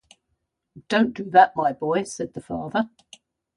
“Don’t do that, my boy,” said the father.